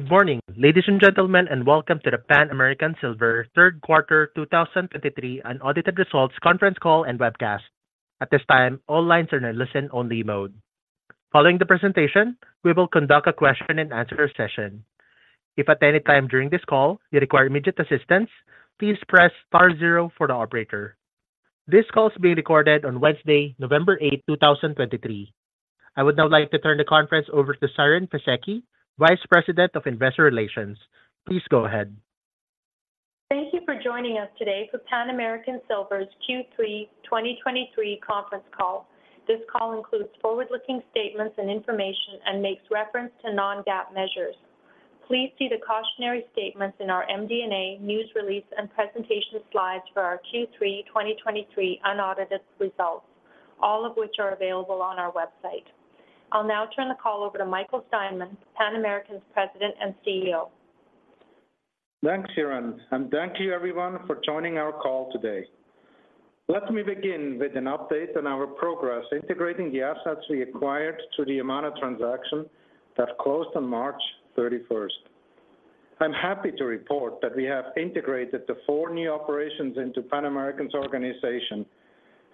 Good morning, ladies and gentlemen, and welcome to the Pan American Silver third quarter 2023 unaudited results conference call and webcast. At this time, all lines are in a listen-only mode. Following the presentation, we will conduct a question-and-answer session. If at any time during this call you require immediate assistance, please press star zero for the operator. This call is being recorded on Wednesday, November 8, 2023. I would now like to turn the conference over to Siren Fisekci, Vice President of Investor Relations. Please go ahead. Thank you for joining us today for Pan American Silver's Q3 2023 conference call. This call includes forward-looking statements and information and makes reference to non-GAAP measures. Please see the cautionary statements in our MD&A news release and presentation slides for our Q3 2023 unaudited results, all of which are available on our website. I'll now turn the call over to Michael Steinmann, Pan American's President and CEO. Thanks, Siren, and thank you everyone for joining our call today. Let me begin with an update on our progress, integrating the assets we acquired to the amount of transaction that closed on March 31st. I'm happy to report that we have integrated the four new operations into Pan American's organization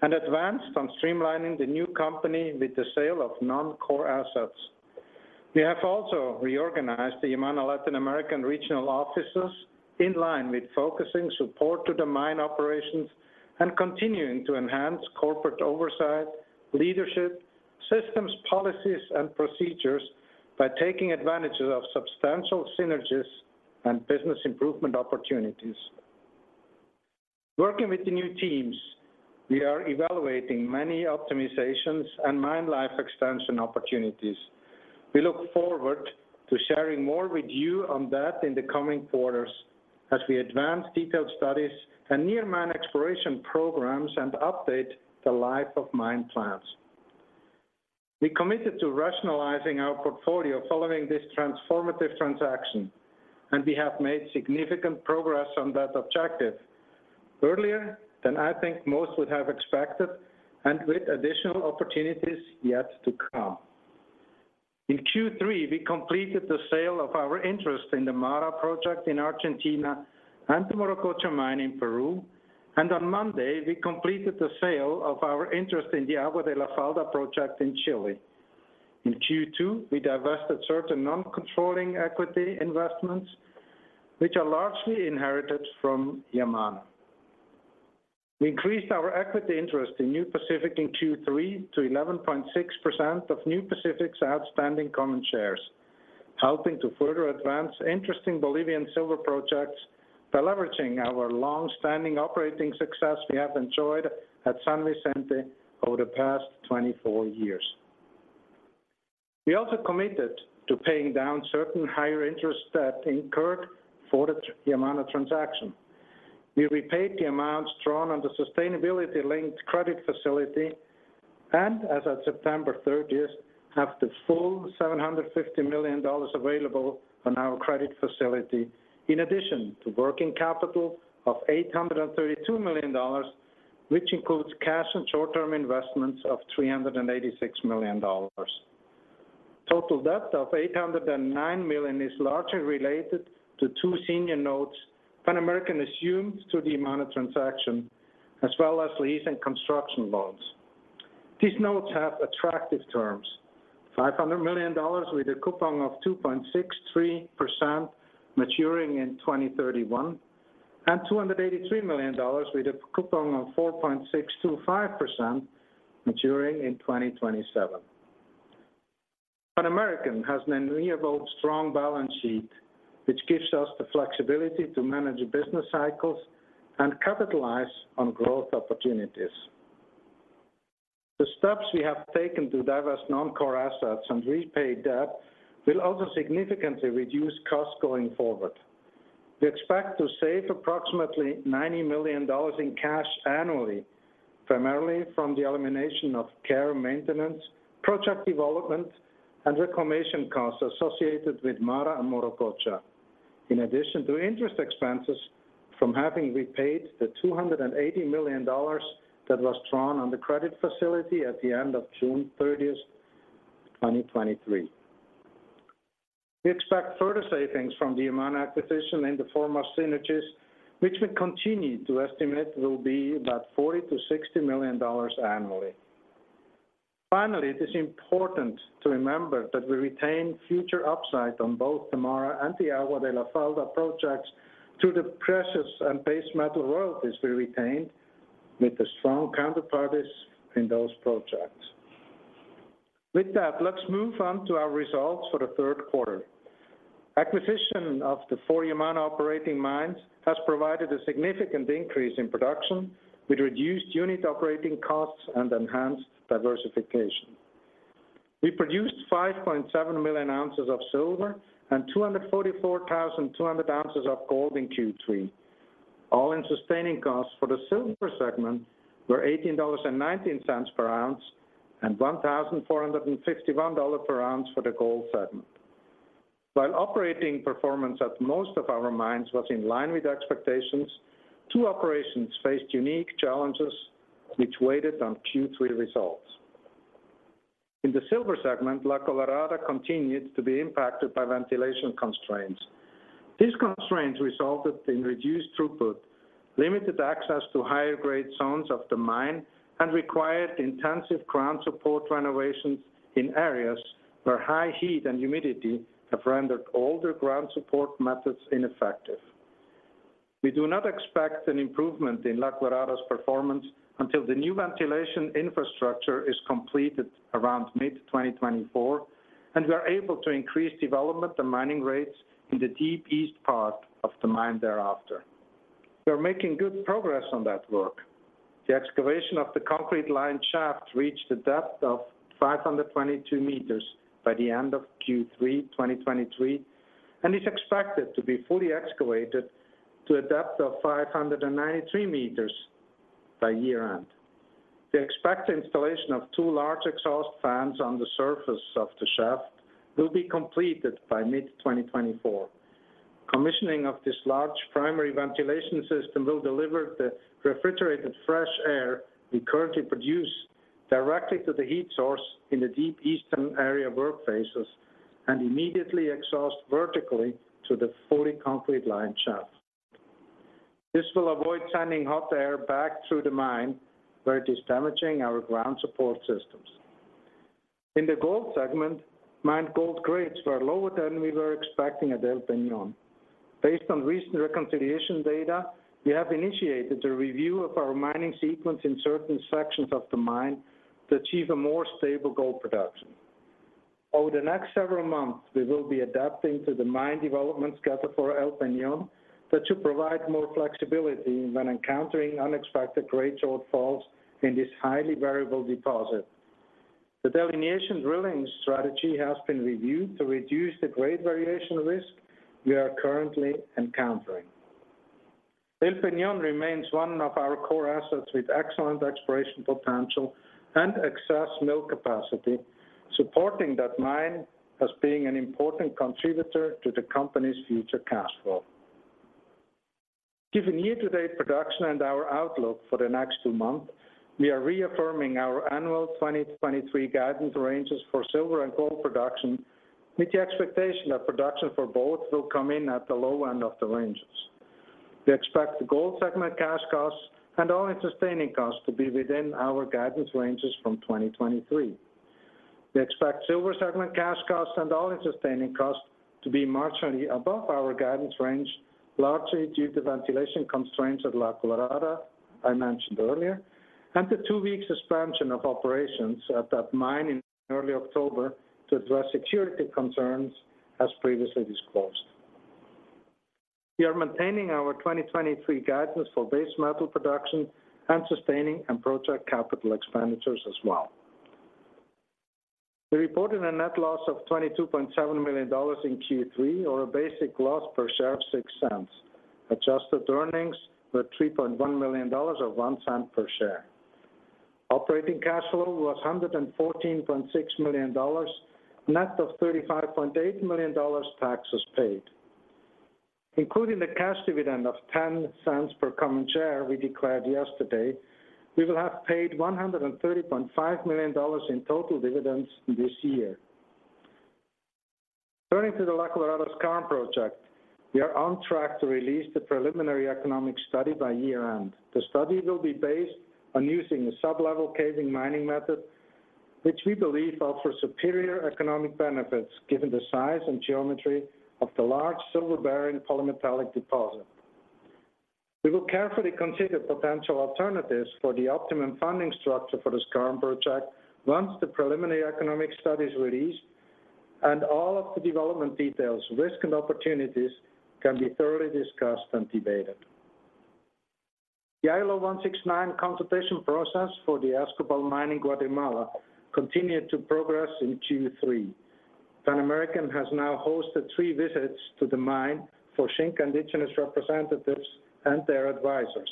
and advanced on streamlining the new company with the sale of non-core assets. We have also reorganized the Yamana Latin American regional offices in line with focusing support to the mine operations and continuing to enhance corporate oversight, leadership, systems, policies, and procedures by taking advantage of substantial synergies and business improvement opportunities. Working with the new teams, we are evaluating many optimizations and mine life extension opportunities. We look forward to sharing more with you on that in the coming quarters as we advance detailed studies and near mine exploration programs and update the life of mine plans. We committed to rationalizing our portfolio following this transformative transaction, and we have made significant progress on that objective earlier than I think most would have expected, and with additional opportunities yet to come. In Q3, we completed the sale of our interest in the MARA project in Argentina and to Morococha mine in Peru, and on Monday, we completed the sale of our interest in the Agua de la Falda project in Chile. In Q2, we divested certain non-controlling equity investments, which are largely inherited from Yamana. We increased our equity interest in New Pacific in Q3 to 11.6% of New Pacific's outstanding common shares, helping to further advance interesting Bolivian silver projects by leveraging our long-standing operating success we have enjoyed at San Vicente over the past 24 years. We also committed to paying down certain higher interest debt incurred for the Yamana transaction. We repaid the amounts drawn on the sustainability-linked credit facility, and as of September thirtieth, have the full $750 million available on our credit facility, in addition to working capital of $832 million, which includes cash and short-term investments of $386 million. Total debt of $809 million is largely related to two senior notes Pan American assumed to the amount of transaction, as well as lease and construction loans. These notes have attractive terms, $500 million with a coupon of 2.63%, maturing in 2031, and $283 million with a coupon of 4.625%, maturing in 2027. Pan American has a renewed strong balance sheet, which gives us the flexibility to manage business cycles and capitalize on growth opportunities. The steps we have taken to divest non-core assets and repay debt will also significantly reduce costs going forward. We expect to save approximately $90 million in cash annually, primarily from the elimination of care, maintenance, project development, and reclamation costs associated with MARA and Morococha. In addition to interest expenses from having repaid the $280 million that was drawn on the credit facility at the end of June 30, 2023. We expect further savings from the Yamana acquisition in the form of synergies, which we continue to estimate will be about $40 million-$60 million annually. Finally, it is important to remember that we retain future upside on both the MARA and the Agua de la Falda projects through the precious and base metal royalties we retained with the strong counterparties in those projects. With that, let's move on to our results for the third quarter. Acquisition of the four Yamana operating mines has provided a significant increase in production, with reduced unit operating costs and enhanced diversification. We produced 5.7 million ounces of silver and 244,200 ounces of gold in Q3. All-in sustaining costs for the silver segment were $18.19 per ounce, and $1,451 per ounce for the gold segment. While operating performance at most of our mines was in line with expectations, two operations faced unique challenges which weighed on Q3 results. In the silver segment, La Colorada continued to be impacted by ventilation constraints. These constraints resulted in reduced throughput, limited access to higher grade zones of the mine, and required intensive ground support renovations in areas where high heat and humidity have rendered older ground support methods ineffective. We do not expect an improvement in La Colorada's performance until the new ventilation infrastructure is completed around mid-2024, and we are able to increase development and mining rates in the deep east part of the mine thereafter. We are making good progress on that work. The excavation of the concrete line shaft reached a depth of 522 meters by the end of Q3 2023, and is expected to be fully excavated to a depth of 593 meters by year-end. The expected installation of 2 large exhaust fans on the surface of the shaft will be completed by mid-2024. Commissioning of this large primary ventilation system will deliver the refrigerated fresh air we currently produce directly to the heat source in the deep eastern area work phases, and immediately exhaust vertically to the fully concrete lined shaft. This will avoid sending hot air back through the mine, where it is damaging our ground support systems. In the gold segment, mined gold grades were lower than we were expecting at El Peñón. Based on recent reconciliation data, we have initiated a review of our mining sequence in certain sections of the mine to achieve a more stable gold production. Over the next several months, we will be adapting to the mine development schedule for El Peñón, but to provide more flexibility when encountering unexpected grade shortfalls in this highly variable deposit. The delineation drilling strategy has been reviewed to reduce the grade variation risk we are currently encountering. El Peñón remains one of our core assets with excellent exploration potential and excess mill capacity, supporting that mine as being an important contributor to the company's future cash flow. Given year-to-date production and our outlook for the next two months, we are reaffirming our annual 2023 guidance ranges for silver and gold production, with the expectation that production for both will come in at the low end of the ranges. We expect the gold segment cash costs and all-in sustaining costs to be within our guidance ranges from 2023. We expect silver segment cash costs and all-in sustaining costs to be marginally above our guidance range, largely due to ventilation constraints at La Colorada, I mentioned earlier, and the 2-week suspension of operations at that mine in early October to address security concerns, as previously disclosed. We are maintaining our 2023 guidance for base metal production and sustaining and project capital expenditures as well. We reported a net loss of $22.7 million in Q3, or a basic loss per share of $0.06. Adjusted earnings were $3.1 million or $0.01 per share. Operating cash flow was $114.6 million, net of $35.8 million taxes paid. Including the cash dividend of $0.10 per common share we declared yesterday, we will have paid $130.5 million in total dividends this year. Turning to the La Colorada Skarn project, we are on track to release the preliminary economic study by year-end. The study will be based on using a sublevel caving mining method, which we believe offers superior economic benefits, given the size and geometry of the large silver-bearing polymetallic deposit. We will carefully consider potential alternatives for the optimum funding structure for the Skarn project once the preliminary economic study is released, and all of the development details, risks, and opportunities can be thoroughly discussed and debated. The ILO 169 consultation process for the Escobal mine in Guatemala continued to progress in Q3. Pan American has now hosted three visits to the mine for Xinka Indigenous representatives and their advisors,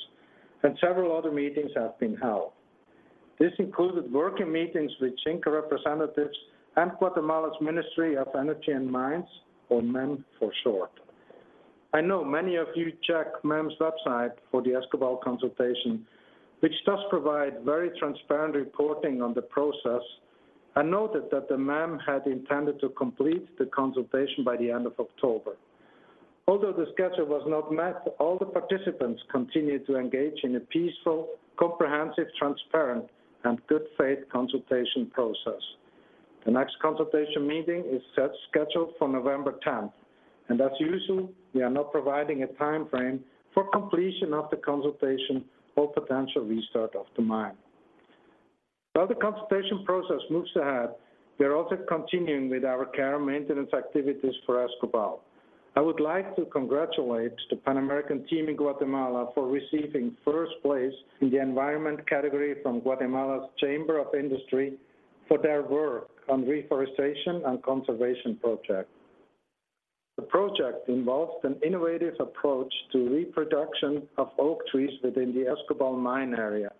and several other meetings have been held. This included working meetings with Xinka representatives and Guatemala's Ministry of Energy and Mines, or MEM for short. I know many of you check MEM's website for the Escobal consultation, which does provide very transparent reporting on the process, and noted that the MEM had intended to complete the consultation by the end of October. Although the schedule was not met, all the participants continued to engage in a peaceful, comprehensive, transparent, and good faith consultation process. The next consultation meeting is scheduled for November tenth, and as usual, we are not providing a timeframe for completion of the consultation or potential restart of the mine. While the consultation process moves ahead, we are also continuing with our care and maintenance activities for Escobal. I would like to congratulate the Pan American team in Guatemala for receiving first place in the environment category from Guatemala's Chamber of Industry for their work on reforestation and conservation project. The project involves an innovative approach to reproduction of oak trees within the Escobal mine area,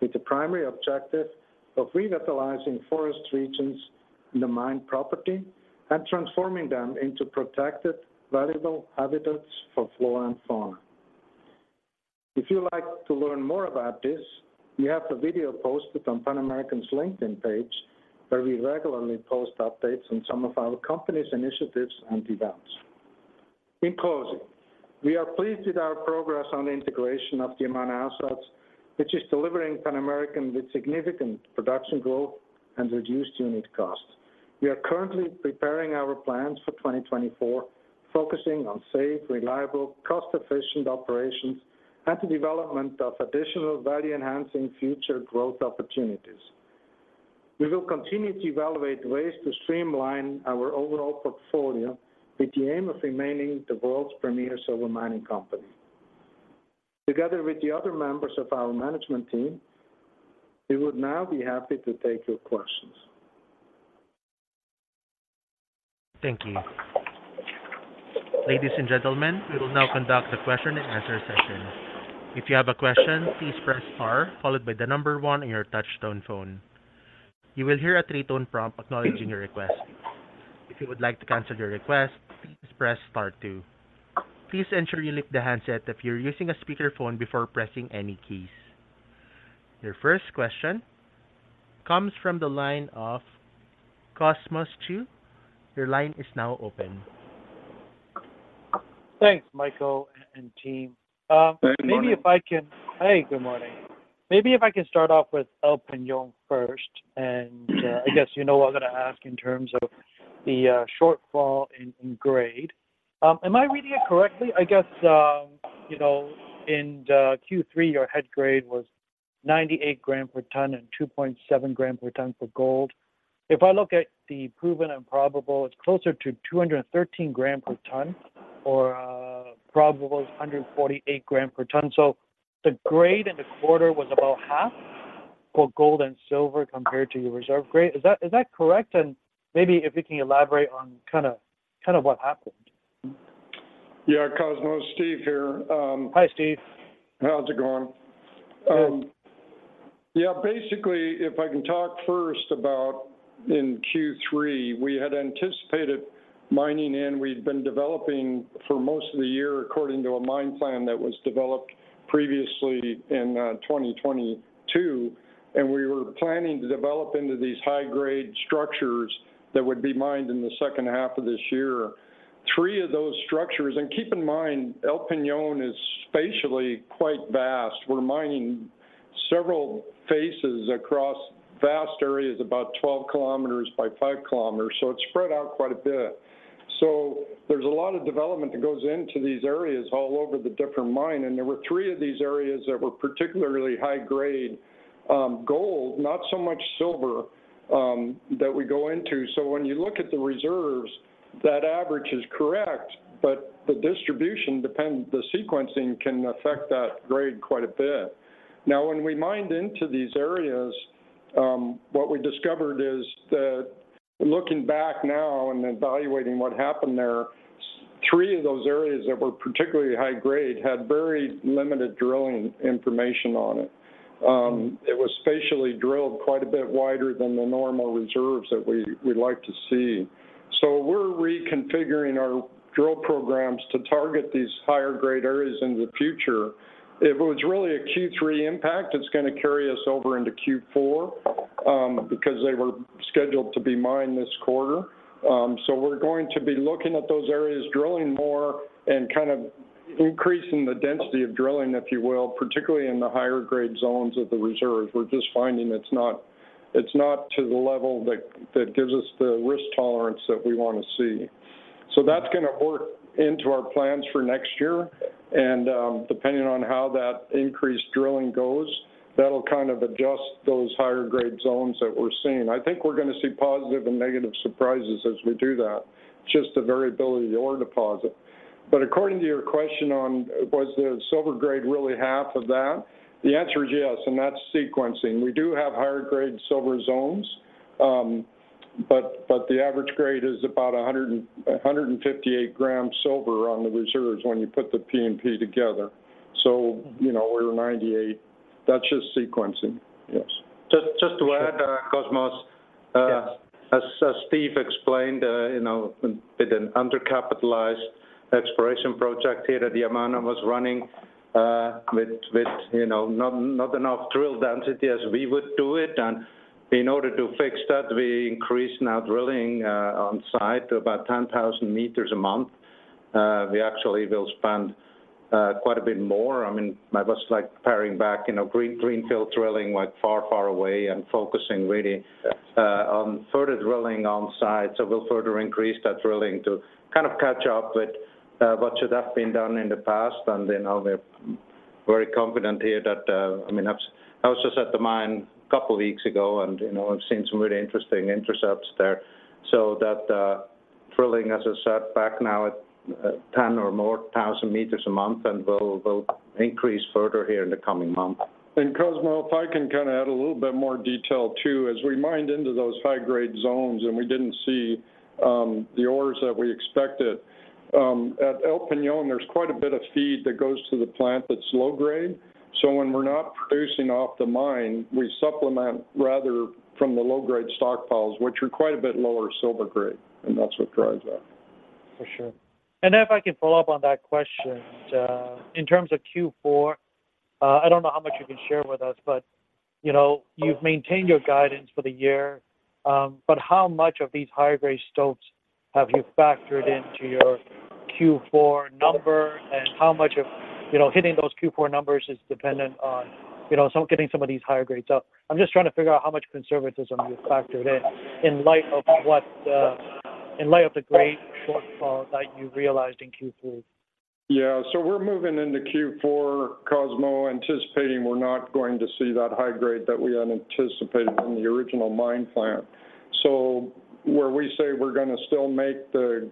with the primary objective of revitalizing forest regions in the mine property and transforming them into protected, valuable habitats for flora and fauna. If you'd like to learn more about this, we have a video posted on Pan American's LinkedIn page, where we regularly post updates on some of our company's initiatives and events. In closing, we are pleased with our progress on the integration of the Yamana assets, which is delivering Pan American with significant production growth and reduced unit costs. We are currently preparing our plans for 2024, focusing on safe, reliable, cost-efficient operations and the development of additional value-enhancing future growth opportunities. We will continue to evaluate ways to streamline our overall portfolio with the aim of remaining the world's premier silver mining company. Together with the other members of our management team, we would now be happy to take your questions. Thank you. Ladies and gentlemen, we will now conduct the question-and-answer session. If you have a question, please press star, followed by the number one on your touch-tone phone. You will hear a three-tone prompt acknowledging your request. If you would like to cancel your request, please press star two. Please ensure you lift the handset if you're using a speakerphone before pressing any keys. Your first question comes from the line of Cosmos Chiu. Your line is now open. Thanks, Michael and team. Good morning. Hey, good morning. Maybe if I can start off with El Peñón first, and- Mm-hmm. I guess you know what I'm going to ask in terms of the shortfall in grade. Am I reading it correctly? I guess you know, in the Q3, your head grade was 98 grams per tonne and 2.7 grams per tonne for gold. If I look at the proven and probable, it's closer to 213 grams per tonne, or probable is 148 grams per tonne. So the grade in the quarter was about half for gold and silver compared to your reserve grade. Is that correct? And maybe if you can elaborate on kind of what happened. Yeah, Cosmos, Steve here. Hi, Steve. How's it going? Good. Yeah, basically, if I can talk first about in Q3, we had anticipated mining, and we'd been developing for most of the year according to a mine plan that was developed previously in 2022, and we were planning to develop into these high-grade structures that would be mined in the second half of this year. Three of those structures, and keep in mind, El Peñón is spatially quite vast. We're mining several faces across vast areas, about 12 kilometers by five kilometers, so it's spread out quite a bit. So there's a lot of development that goes into these areas all over the different mine, and there were three of these areas that were particularly high grade, gold, not so much silver, that we go into. So when you look at the reserves, that average is correct, but the distribution depends—the sequencing can affect that grade quite a bit. Now, when we mined into these areas, what we discovered is that looking back now and evaluating what happened there, three of those areas that were particularly high grade had very limited drilling information on it. It was spatially drilled quite a bit wider than the normal reserves that we, we'd like to see. So we're reconfiguring our drill programs to target these higher-grade areas in the future. It was really a Q3 impact. It's going to carry us over into Q4, because they were scheduled to be mined this quarter. So we're going to be looking at those areas, drilling more, and kind of increasing the density of drilling, if you will, particularly in the higher grade zones of the reserve. We're just finding it's not to the level that gives us the risk tolerance that we want to see. So that's going to work into our plans for next year, and depending on how that increased drilling goes, that'll kind of adjust those higher grade zones that we're seeing. I think we're going to see positive and negative surprises as we do that, just the variability of the ore deposit. But according to your question on was the silver grade really half of that? The answer is yes, and that's sequencing. We do have higher grade silver zones, but the average grade is about 158 gram silver on the reserves when you put the P&P together. So you know, we're 98. That's just sequencing. Yes. Just, just to add, Cosmos- Yes... as Steve explained, you know, with an undercapitalized exploration project here that Yamana was running, with you know, not enough drill density as we would do it. And in order to fix that, we increased now drilling on site to about 10,000 meters a month. We actually will spend quite a bit more. I mean, I was, like, paring back, you know, greenfield drilling, like, far away and focusing really on further drilling on site. So we'll further increase that drilling to kind of catch up with what should have been done in the past. And then now we're very confident here that... I mean, I was just at the mine a couple weeks ago, and, you know, I've seen some really interesting intercepts there. That drilling, as I said, back now at 10,000 or more meters a month, and we'll increase further here in the coming months. And Cosmos, if I can kind of add a little bit more detail, too. As we mined into those high-grade zones and we didn't see the ores that we expected at El Peñón, there's quite a bit of feed that goes to the plant that's low grade. So when we're not producing off the mine, we supplement rather from the low-grade stockpiles, which are quite a bit lower silver grade, and that's what drives that.... For sure. And then if I can follow up on that question, in terms of Q4, I don't know how much you can share with us, but, you know, you've maintained your guidance for the year, but how much of these higher grade stopes have you factored into your Q4 number? And how much of, you know, hitting those Q4 numbers is dependent on, you know, some getting some of these higher grades up? I'm just trying to figure out how much conservatism you've factored in, in light of what, in light of the great shortfall that you realized in Q4. Yeah. So we're moving into Q4, Cosmo, anticipating we're not going to see that high grade that we had anticipated in the original mine plan. So where we say we're gonna still make the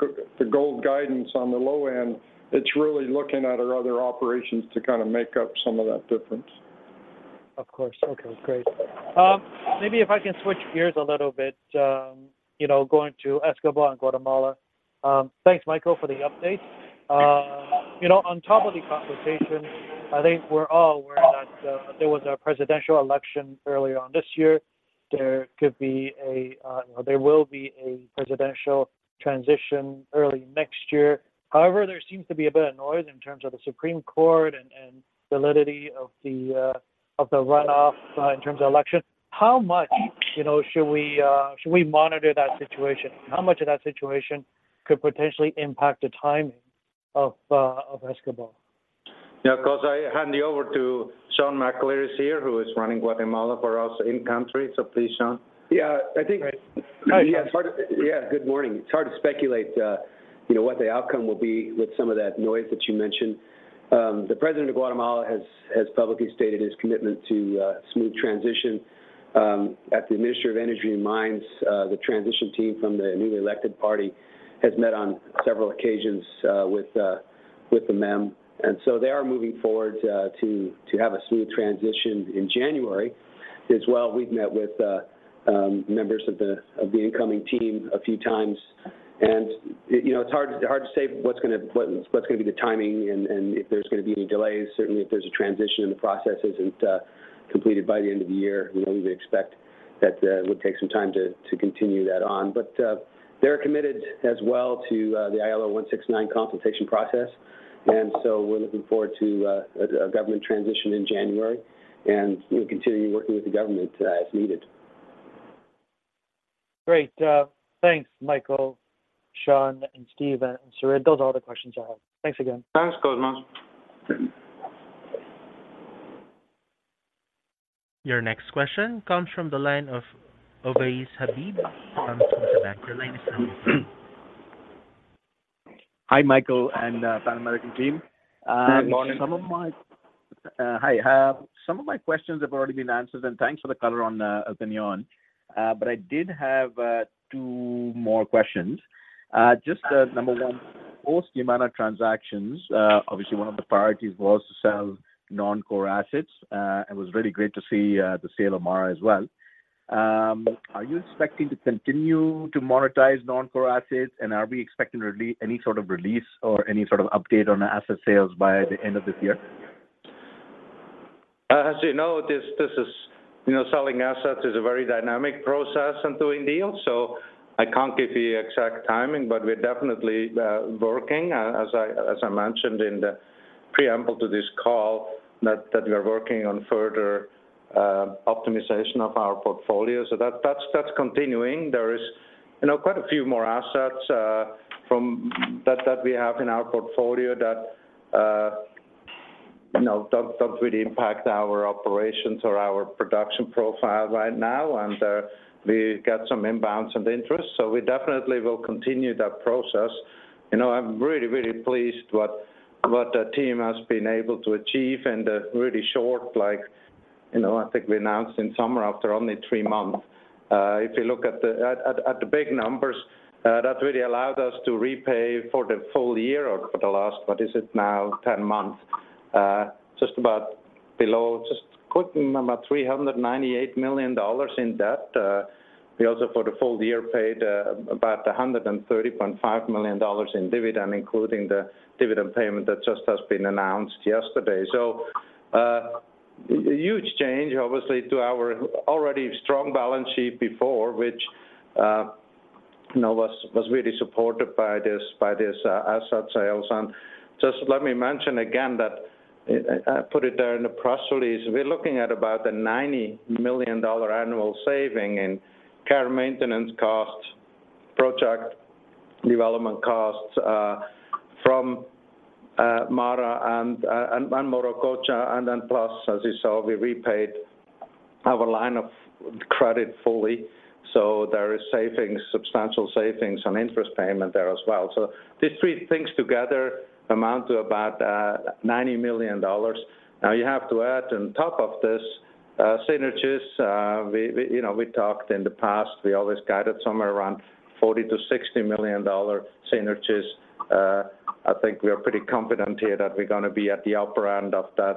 gold guidance on the low end, it's really looking at our other operations to kind of make up some of that difference. Of course. Okay, great. Maybe if I can switch gears a little bit, you know, going to Escobal in Guatemala. Thanks, Michael, for the update. You know, on top of the conversation, I think we're all aware that there was a presidential election earlier on this year. There could be a There will be a presidential transition early next year. However, there seems to be a bit of noise in terms of the Supreme Court and, and validity of the, of the runoff, in terms of election. How much, you know, should we should we monitor that situation? How much of that situation could potentially impact the timing of, of Escobal? Yeah, Cos, I hand you over to Sean Muller, who is here, who is running Guatemala for us in country. So please, Sean. Yeah, I think- Great. Hi, Sean. Yeah, good morning. It's hard to speculate, you know, what the outcome will be with some of that noise that you mentioned. The president of Guatemala has publicly stated his commitment to smooth transition. At the Ministry of Energy and Mines, the transition team from the newly elected party has met on several occasions with the MEM. And so they are moving forward to have a smooth transition in January. As well, we've met with members of the incoming team a few times. And, you know, it's hard to say what's gonna be the timing and if there's gonna be any delays. Certainly, if there's a transition and the process isn't completed by the end of the year, we would expect that it would take some time to continue that on. But, they're committed as well to the ILO 169 consultation process, and so we're looking forward to a government transition in January, and we'll continue working with the government as needed. Great. Thanks, Michael, Sean, and Steve, and Siren. Those are all the questions I have. Thanks again. Thanks, Cosmos. Your next question comes from the line of Ovais Habib from Bloomberg. Your line is open. Hi, Michael and Pan American team. Good morning. Some of my questions have already been answered, and thanks for the color on Peñón. But I did have two more questions. Just number one, post the amount of transactions, obviously one of the priorities was to sell non-core assets, and it was really great to see the sale of Mara as well. Are you expecting to continue to monetize non-core assets? And are we expecting any sort of release or any sort of update on asset sales by the end of this year? As you know, this is, you know, selling assets is a very dynamic process in doing deals, so I can't give the exact timing. But we're definitely working, as I mentioned in the preamble to this call, that we are working on further optimization of our portfolio. So that's continuing. There is, you know, quite a few more assets from that we have in our portfolio that, you know, don't really impact our operations or our production profile right now, and we got some inbound interest, so we definitely will continue that process. You know, I'm really pleased what the team has been able to achieve in a really short, like, you know, I think we announced in summer after only three months. If you look at the big numbers, that really allowed us to repay for the full year or for the last, what is it now? 10 months, just about below, just quickly, about $398 million in debt. We also, for the full year, paid about $130.5 million in dividend, including the dividend payment that just has been announced yesterday. So, a huge change, obviously, to our already strong balance sheet before, which, you know, was really supported by this, by this, asset sales. Just let me mention again that, I put it there in the press release, we're looking at about a $90 million annual saving in care maintenance costs, project development costs, from MARA and Morococha, and then plus, as you saw, we repaid our line of credit fully, so there is savings, substantial savings on interest payment there as well. So these three things together amount to about $90 million. Now, you have to add on top of this, synergies. You know, we talked in the past, we always guided somewhere around $40 million-$60 million synergies. I think we are pretty confident here that we're gonna be at the upper end of that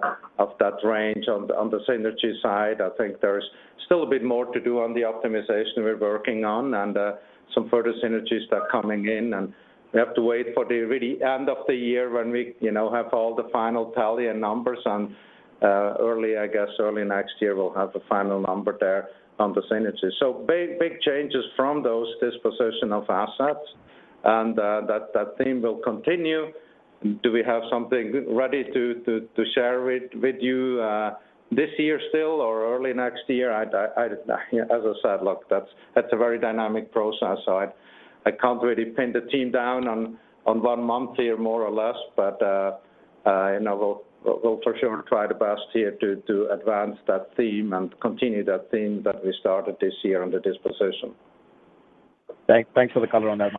range. On the synergy side, I think there is still a bit more to do on the optimization we're working on and some further synergies that are coming in, and we have to wait for the really end of the year when we, you know, have all the final tally and numbers. And early, I guess, early next year, we'll have a final number there on the synergies. So big, big changes from those disposition of assets... and that theme will continue. Do we have something ready to share with you this year still or early next year? I, as I said, look, that's a very dynamic process, so I can't really pin the team down on one month here, more or less. You know, we'll for sure try the best here to advance that theme and continue that theme that we started this year under this position. Thanks for the color on that.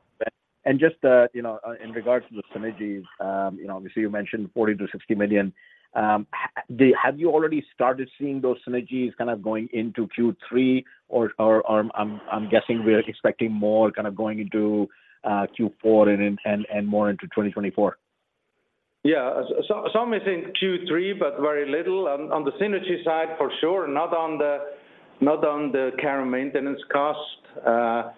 Just, you know, in regards to the synergies, you know, obviously you mentioned $40 million-$60 million. Have you already started seeing those synergies kind of going into Q3, or, or, or I'm, I'm guessing we're expecting more kind of going into Q4 and then, and, and more into 2024? Yeah. So, some is in Q3, but very little. On the synergy side, for sure, not on the care and maintenance cost.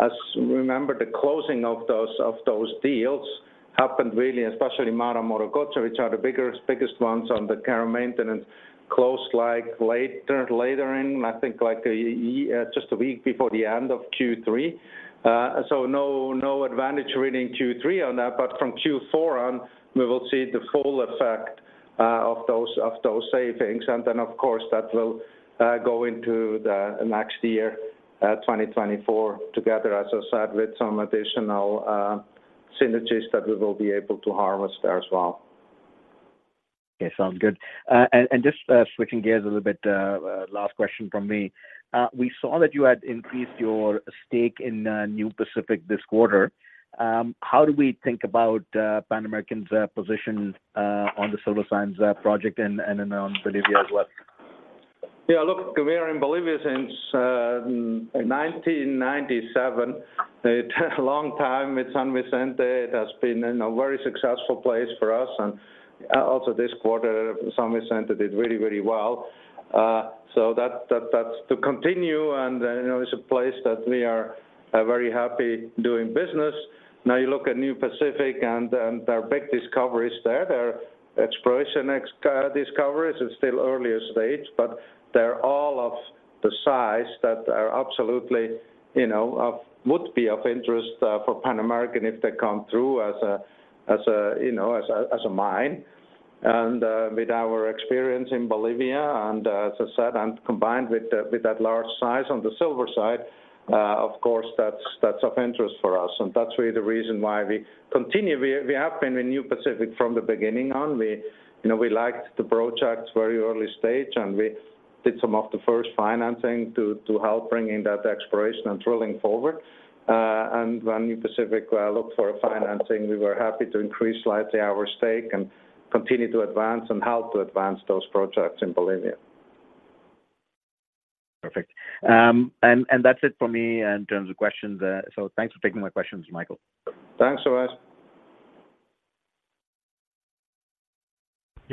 As you remember, the closing of those deals happened really, especially MARA and Morococha, which are the biggest ones on the care and maintenance, closed later in, I think, just a week before the end of Q3. So, no advantage in Q3 on that, but from Q4 on, we will see the full effect of those savings. And then, of course, that will go into the next year, 2024, together, as I said, with some additional synergies that we will be able to harvest there as well. Okay. Sounds good. And just switching gears a little bit, last question from me. We saw that you had increased your stake in New Pacific this quarter. How do we think about Pan American's position on the Silver Sand project and then on Bolivia as well? Yeah, look, we are in Bolivia since 1997. A long time with San Vicente. It has been a very successful place for us, and also this quarter, San Vicente did really very well. So that, that's to continue, and you know, it's a place that we are very happy doing business. Now, you look at New Pacific and their big discoveries there, their exploration discoveries is still early stage, but they're all of the size that are absolutely, you know, would be of interest for Pan American if they come through as a mine. With our experience in Bolivia, and, as I said, and combined with that large size on the silver side, of course, that's of interest for us, and that's really the reason why we continue. We have been with New Pacific from the beginning on. You know, we liked the project very early stage, and we did some of the first financing to help bringing that exploration and drilling forward. And when New Pacific looked for financing, we were happy to increase slightly our stake and continue to advance and help to advance those projects in Bolivia. Perfect. And that's it for me in terms of questions, so thanks for taking my questions, Michael.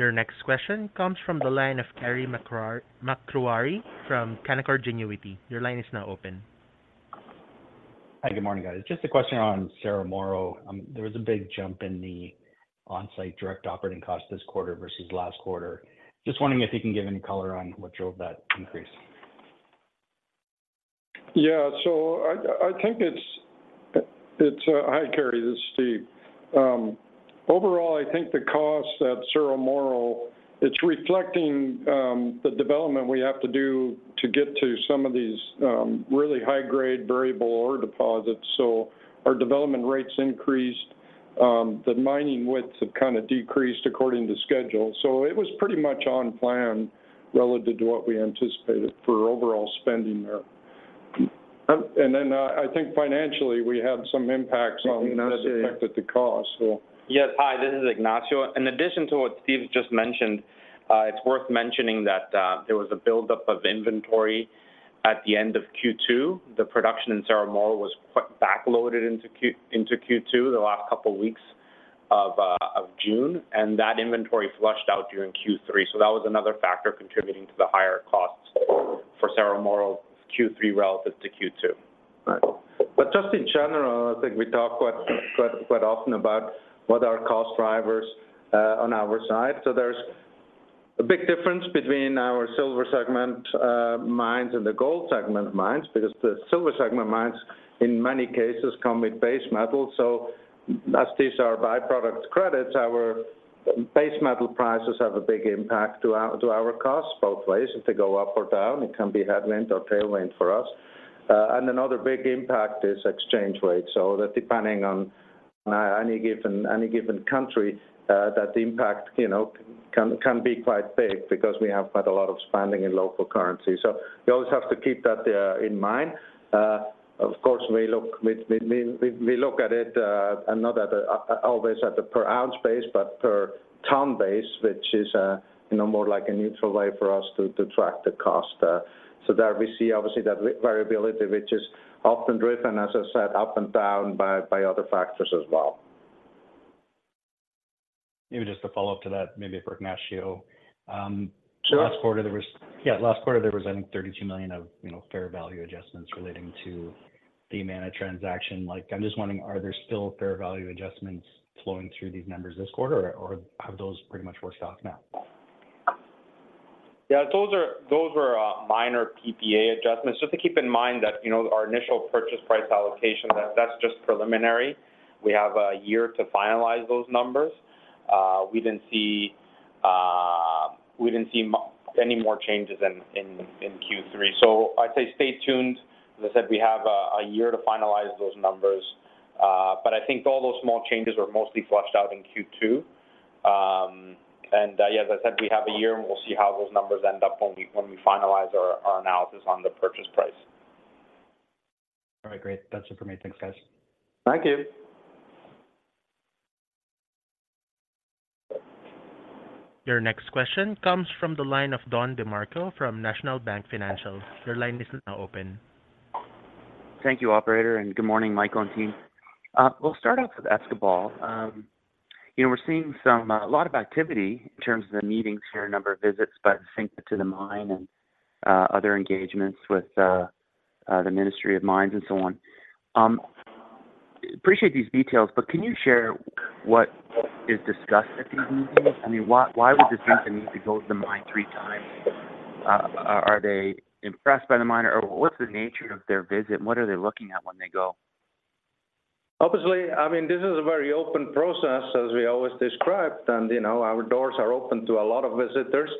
Thanks a lot. Your next question comes from the line of Keri MacRae from Canaccord Genuity. Your line is now open. Hi, good morning, guys. Just a question on Cerro Moro. There was a big jump in the on-site direct operating cost this quarter versus last quarter. Just wondering if you can give any color on what drove that increase? Yeah. So I think it's... Hi, Keri, this is Steve. Overall, I think the cost at Cerro Moro, it's reflecting the development we have to do to get to some of these really high-grade, variable ore deposits. So our development rates increased. The mining widths have kind of decreased according to schedule, so it was pretty much on plan relative to what we anticipated for overall spending there. And then, I think financially, we had some impacts on- Ignacio That affected the cost so. Yes. Hi, this is Ignacio. In addition to what Steve just mentioned, it's worth mentioning that, there was a buildup of inventory at the end of Q2. The production in Cerro Moro was backloaded into Q2, the last couple weeks of June, and that inventory flushed out during Q3. So that was another factor contributing to the higher costs for Cerro Moro Q3 relative to Q2. Right. But just in general, I think we talk quite, quite, quite often about what are our cost drivers on our side. So there's a big difference between our silver segment mines and the gold segment mines, because the silver segment mines, in many cases, come with base metal. So as these are by-product credits, our base metal prices have a big impact to our, to our costs both ways. If they go up or down, it can be headwind or tailwind for us. And another big impact is exchange rate. So that depending on any given, any given country, that impact, you know, can, can be quite big because we have quite a lot of spending in local currency. So we always have to keep that in mind. Of course, we look at it and not always at the per ounce base, but per ton base, which is, you know, more like a neutral way for us to track the cost. So there we see obviously that variability, which is often driven, as I said, up and down by other factors as well. Maybe just a follow-up to that, maybe for Ignacio. Sure. Last quarter, there was... Yeah, last quarter, there was, I think, $32 million of, you know, fair value adjustments relating to the Yamana transaction. Like, I'm just wondering, are there still fair value adjustments flowing through these numbers this quarter, or have those pretty much worked off now? ... Yeah, those are, those were minor PPA adjustments. Just to keep in mind that, you know, our initial purchase price allocation, that's just preliminary. We have a year to finalize those numbers. We didn't see any more changes in Q3. So I'd say stay tuned. As I said, we have a year to finalize those numbers. But I think all those small changes were mostly flushed out in Q2. And yeah, as I said, we have a year, and we'll see how those numbers end up when we finalize our analysis on the purchase price. All right, great. That's it for me. Thanks, guys. Thank you. Your next question comes from the line of Don DeMarco from National Bank Financial. Your line is now open. Thank you, operator, and good morning, Michael and team. We'll start off with Escobal. You know, we're seeing some a lot of activity in terms of the meetings here, a number of visits to the mine and other engagements with the Ministry of Mines and so on. Appreciate these details, but can you share what is discussed at these meetings? I mean, why, why would this person need to go to the mine three times? Are, are they impressed by the mine, or what's the nature of their visit? What are they looking at when they go? Obviously, I mean, this is a very open process, as we always described, and, you know, our doors are open to a lot of visitors.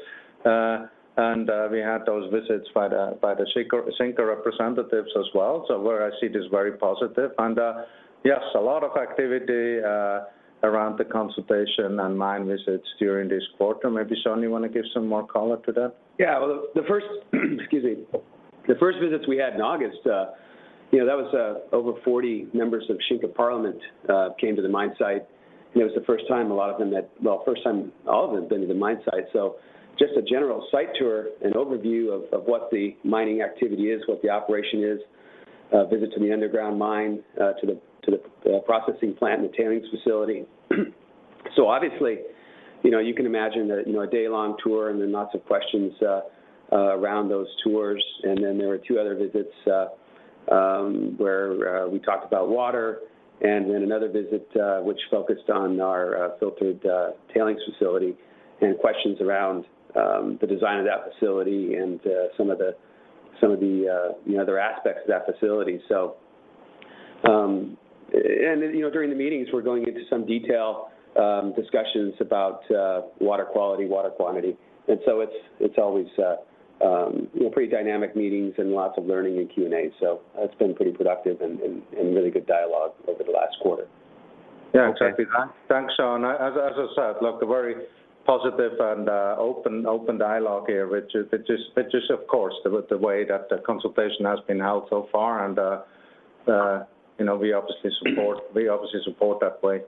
We had those visits by the Xinka representatives as well. So where I see it is very positive. And yes, a lot of activity around the consultation and mine visits during this quarter. Maybe, Sean, you want to give some more color to that? Yeah. Well, the first visits we had in August, you know, that was over 40 members of Xinka Parliament came to the mine site, and it was the first time a lot of them had... Well, first time all of them had been to the mine site. So just a general site tour and overview of what the mining activity is, what the operation is, visit to the underground mine, to the processing plant and the tailings facility. So obviously, you know, you can imagine that, you know, a day-long tour and then lots of questions around those tours. And then there were two other visits where we talked about water, and then another visit which focused on our filtered tailings facility, and questions around the design of that facility and some of the you know other aspects of that facility. So and you know during the meetings, we're going into some detail discussions about water quality, water quantity, and so it's it's always pretty dynamic meetings and lots of learning and Q&A. So that's been pretty productive and and really good dialogue over the last quarter. Yeah, exactly. Thanks, Sean. As I said, look, a very positive and open dialogue here, which is, of course, the way that the consultation has been held so far, and you know, we obviously support that way.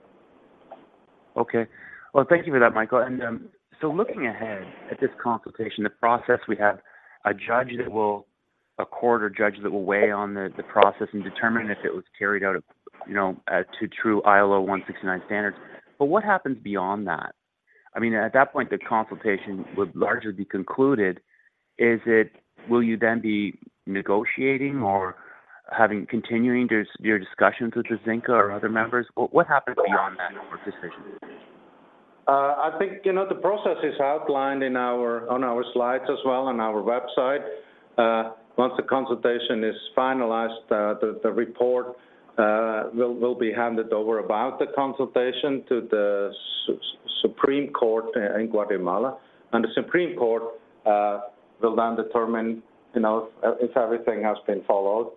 Okay. Well, thank you for that, Michael. And so looking ahead at this consultation, the process, we have a court or judge that will weigh on the process and determine if it was carried out, you know, to true ILO 169 standards. But what happens beyond that? I mean, at that point, the consultation would largely be concluded. Is it, will you then be negotiating or having continuing discussions with the Xinka or other members? What happens beyond that decision? I think, you know, the process is outlined in our, on our slides as well, on our website. Once the consultation is finalized, the report will be handed over about the consultation to the Supreme Court in Guatemala, and the Supreme Court will then determine, you know, if everything has been followed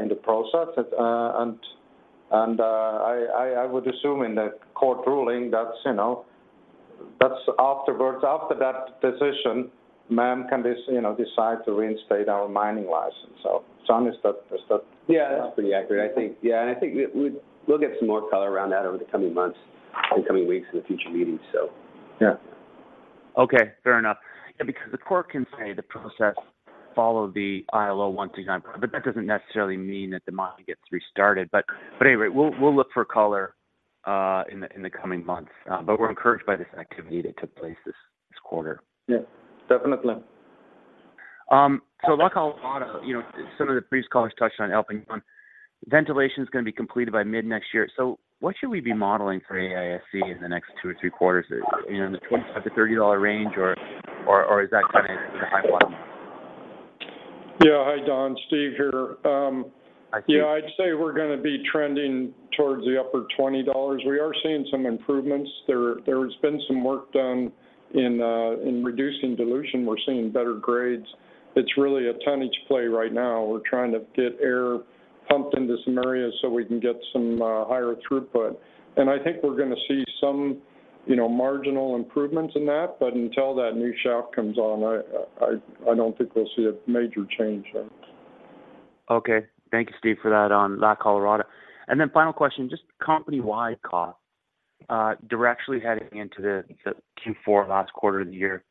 in the process. I would assume in the court ruling that, you know, that's afterwards, after that decision, ma'am, can this decide to reinstate our mining license. So, Sean, is that- Yeah, that's pretty accurate, I think. Yeah, and I think we, we'll get some more color around that over the coming months, in the coming weeks in the future meetings. So, yeah. Okay, fair enough. Because the court can say the process followed the ILO 169, but that doesn't necessarily mean that the mining gets restarted. But anyway, we'll look for color in the coming months, but we're encouraged by this activity that took place this quarter. Yeah, definitely. So like how a lot of, you know, some of the previous callers touched on La Colorada, ventilation is going to be completed by mid-next year. So what should we be modeling for AISC in the next two or three quarters? You know, in the $25-$30 range, or is that kind of high? Yeah. Hi, Don, Steve here. Hi, Steve. Yeah, I'd say we're gonna be trending towards the upper $20. We are seeing some improvements. There has been some work done in reducing dilution. We're seeing better grades. It's really a tonnage play right now. We're trying to get air pumped into some areas so we can get some higher throughput. And I think we're gonna see some, you know, marginal improvements in that, but until that new shaft comes on, I don't think we'll see a major change there. Okay. Thank you, Steve, for that on La Colorada. And then final question, just company-wide cost. We're actually heading into the Q4, last quarter of the year.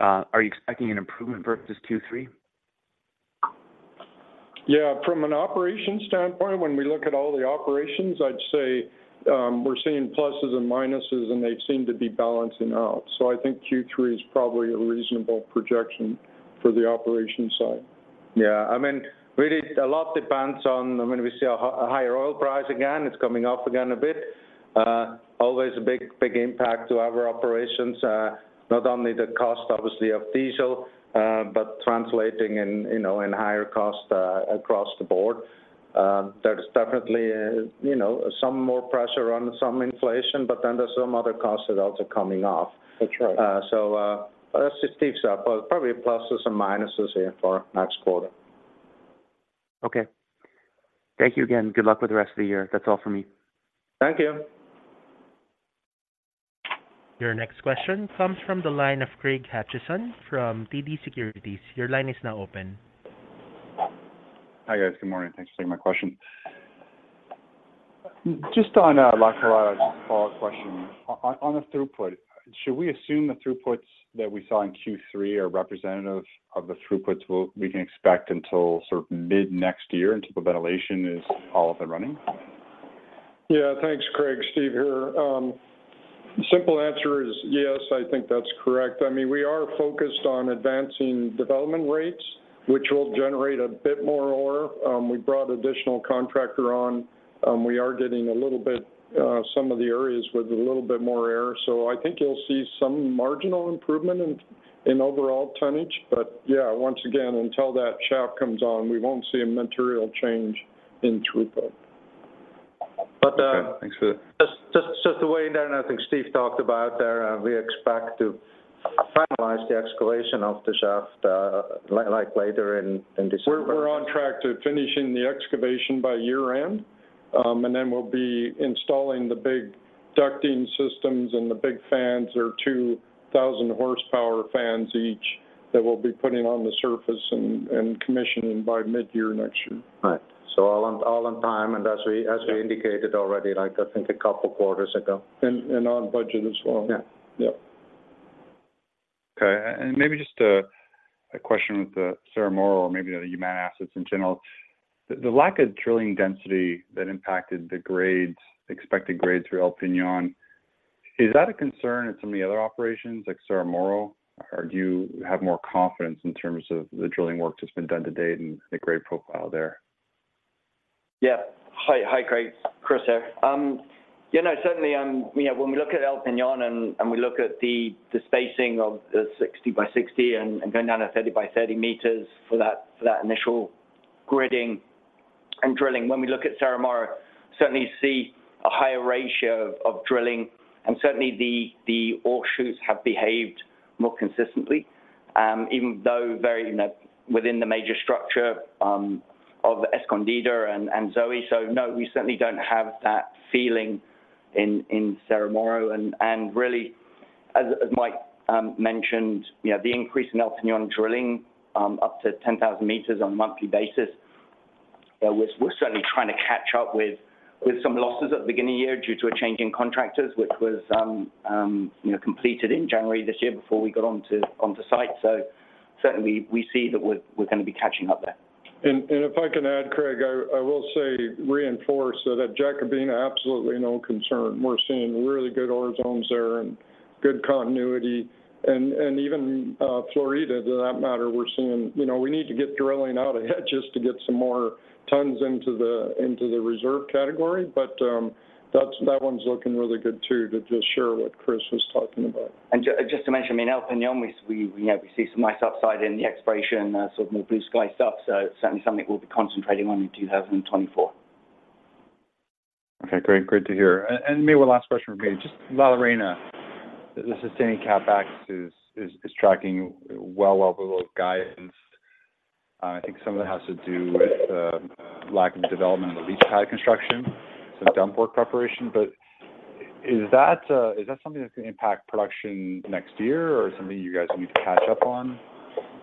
Are you expecting an improvement versus Q3? Yeah. From an operations standpoint, when we look at all the operations, I'd say, we're seeing pluses and minuses, and they seem to be balancing out. So I think Q3 is probably a reasonable projection for the operations side. Yeah, I mean, really, a lot depends on when we see a higher oil price again. It's coming up again a bit. Always a big, big impact to our operations. Not only the cost, obviously, of diesel, but translating in, you know, in higher costs across the board. There's definitely, you know, some more pressure on some inflation, but then there's some other costs that are also coming off. That's right. But let's just keeps up. Probably pluses and minuses here for next quarter. Okay. Thank you again. Good luck with the rest of the year. That's all for me. Thank you. Your next question comes from the line of Craig Hutchison from TD Securities. Your line is now open. Hi, guys. Good morning. Thanks for taking my question. Just on, like a follow-up question. On the throughput, should we assume the throughputs that we saw in Q3 are representative of the throughputs we can expect until sort of mid-next year, until the ventilation is all up and running? Yeah. Thanks, Craig. Steve here. Simple answer is yes, I think that's correct. I mean, we are focused on advancing development rates, which will generate a bit more ore. We brought additional contractor on, we are getting a little bit, some of the areas with a little bit more air. So I think you'll see some marginal improvement in overall tonnage. But yeah, once again, until that shaft comes on, we won't see a material change in throughput. Okay. Thanks for that. Just the way that I think Steve talked about there, we expect to finalize the excavation of the shaft, like, later in December. We're on track to finishing the excavation by year-end. Then we'll be installing the big ducting systems and the big fans. They're 2,000 horsepower fans each, that we'll be putting on the surface and commissioning by mid-year next year. Right. So all on time, and as we indicated already, like, I think a couple of quarters ago. And on budget as well. Yeah. Yep. Okay. And maybe just a question with the Cerro Moro or maybe the Yamana assets in general. The lack of drilling density that impacted the grades, expected grades through El Peñón, is that a concern in some of the other operations, like Cerro Moro, or do you have more confidence in terms of the drilling work that's been done to date and the grade profile there? Yeah. Hi, hi, Craig. Chris here. You know, certainly, you know, when we look at El Peñón and, and we look at the, the spacing of the 60 by 60 and, and going down to 30 by 30 meters for that, for that initial gridding and drilling. When we look at Cerro Moro, certainly see a higher ratio of drilling, and certainly the, the ore shoots have behaved more consistently, even though very, you know, within the major structure, of Escondida and, and Zoe. So no, we certainly don't have that feeling in, in Cerro Moro. Really, as Mike mentioned, you know, the increase in El Peñón drilling up to 10,000 meters on a monthly basis, we're certainly trying to catch up with some losses at the beginning of the year due to a change in contractors, which was, you know, completed in January this year before we got onto site. So certainly we see that we're gonna be catching up there. And if I can add, Craig, I will say, reinforce, that Jacobina, absolutely no concern. We're seeing really good ore zones there and good continuity. And even Florida, for that matter, we're seeing... You know, we need to get drilling out ahead just to get some more tons into the reserve category, but that one's looking really good, too, to just share what Chris was talking about. Just to mention, I mean, El Peñón, we, you know, we see some nice upside in the exploration, sort of more blue-sky stuff, so certainly something we'll be concentrating on in 2024. Okay, great. Great to hear. And maybe one last question for me. Just La Arena, the sustaining CapEx is tracking well below guidance. I think some of it has to do with lack of development of the leach pad construction, some dump work preparation. But is that something that's gonna impact production next year, or something you guys need to catch up on?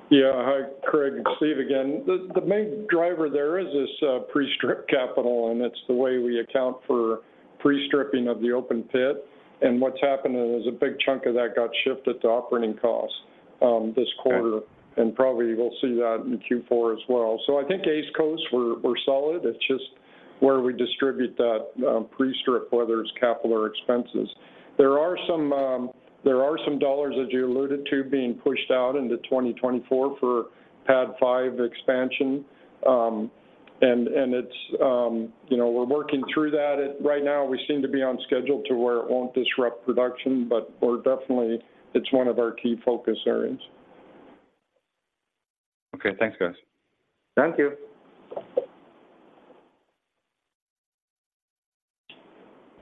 Yeah. Hi, Craig. It's Steve again. The main driver there is this pre-strip capital, and it's the way we account for pre-stripping of the open pit. And what's happened is a big chunk of that got shifted to operating costs this quarter- Okay... and probably we'll see that in Q4 as well. So I think East Coast, we're solid. It's just where we distribute that pre-strip, whether it's capital or expenses. There are some dollars, as you alluded to, being pushed out into 2024 for Pad 5 expansion. And it's you know, we're working through that. Right now we seem to be on schedule to where it won't disrupt production, but we're definitely. It's one of our key focus areas. Okay. Thanks, guys. Thank you.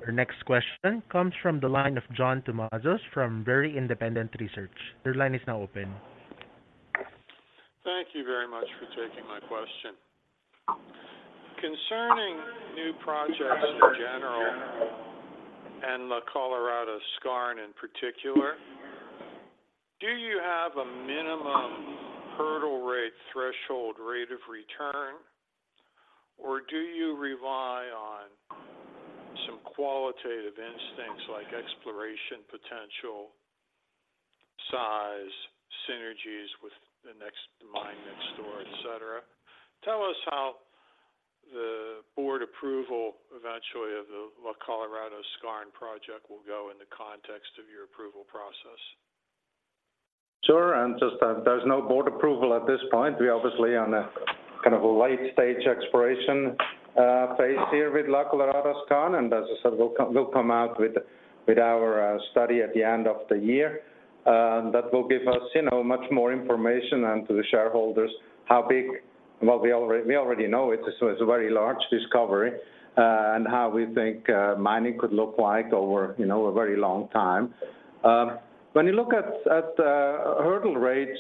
Your next question comes from the line of John Tumazos from Very Independent Research. Your line is now open. Thank you very much for taking my question. Concerning new projects in general, and the La Colorada Skarn, in particular, do you have a minimum hurdle rate, threshold rate of return, or do you rely on some qualitative instincts like exploration, potential, size, synergies with the... Tell us how the board approval eventually of the La Colorada Skarn project will go in the context of your approval process. Sure, and just, there's no board approval at this point. We're obviously on a, kind of, a late stage exploration phase here with La Colorada Skarn, and as I said, we'll come, we'll come out with, with our study at the end of the year. That will give us, you know, much more information, and to the shareholders, how big... Well, we already, we already know it's a, it's a very large discovery, and how we think mining could look like over, you know, a very long time. When you look at the hurdle rates,